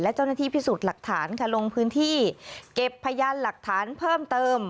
และเจ้าหน้าที่พิสูจน์หลักฐานค่ะลงพื้นที่เก็บพยานหลักฐานเพิ่มเติม